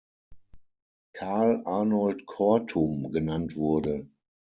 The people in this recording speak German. Carl Arnold Kortum“ genannt wurde.